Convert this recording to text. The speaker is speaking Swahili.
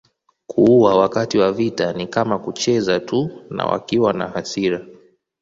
Kuua wakati wa vita ni kama kucheza tu na wakiwa na hasira